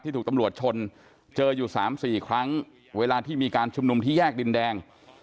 ถูกตำรวจชนเจออยู่๓๔ครั้งเวลาที่มีการชุมนุมที่แยกดินแดง